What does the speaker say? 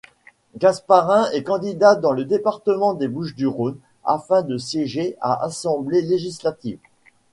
Gasparin est candidat dans le département des Bouches-du-Rhône afin de siéger à Assemblée législative.